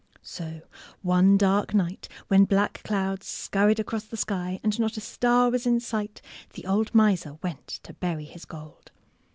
So one dark night, when black clouds scur ried across the sky and not a star was in sight, the old miser went to bury his gold.